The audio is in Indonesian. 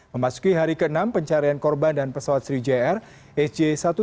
memasuki hari ke enam pencarian korban dan pesawat sri jr sj satu ratus tujuh puluh